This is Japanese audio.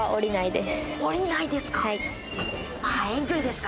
はい。